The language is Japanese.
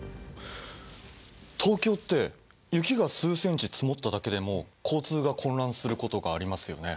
東京って雪が数ｃｍ積もっただけでも交通が混乱することがありますよね。